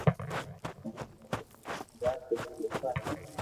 ھين آئري ۾ ھزار جملا ليکوا ھي